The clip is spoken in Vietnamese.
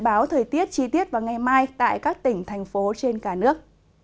dự báo thời tiết chi tiết vào ngày mai tại các tỉnh thành phố trên cả nước